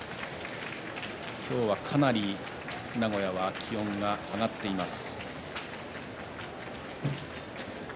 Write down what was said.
今日はかなり名古屋は気温が上がっています。